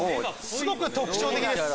すごく特徴的です。